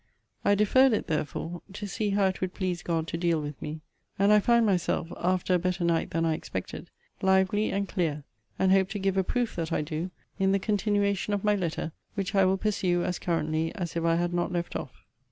I deferred it, therefore, to see how it would please God to deal with me. And I find myself, after a better night than I expected, lively and clear; and hope to give a proof that I do, in the continuation of my letter, which I will pursue as currently as if I had not left off.